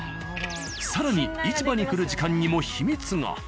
更に市場に来る時間にも秘密が。